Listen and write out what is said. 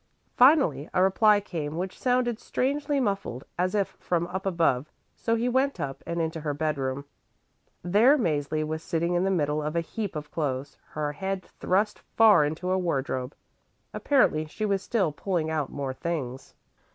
Finally a reply came which sounded strangely muffled, as if from up above, so he went up and into her bedroom. There Mäzli was sitting in the middle of a heap of clothes, her head thrust far into a wardrobe. Apparently she was still pulling out more things.